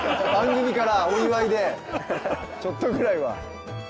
番組からお祝いでちょっとぐらいは。